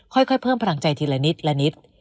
ค่อยเพิ่มพลังใจทีละนิดละนิด